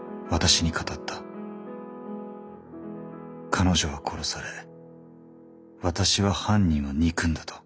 彼女は殺され私は犯人を憎んだと。